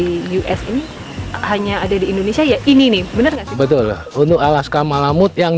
indonesia hanya ada di indonesia ya ini nih bener betul untuk alaska malam yut yang